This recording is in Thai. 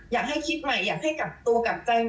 อยากให้คิดใหม่อยากให้กลับตัวกลับใจ